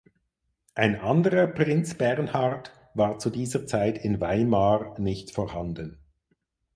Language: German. Ein anderer Prinz Bernhard war zu dieser Zeit in Weimar nicht vorhanden.